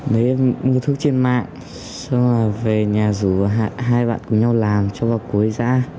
nếu em mua thuốc trên mạng xong là về nhà rủ và hai bạn cùng nhau làm cho vào cối giã